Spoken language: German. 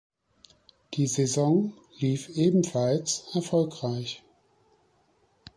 Die Saison lief ebenfalls erfolgreich.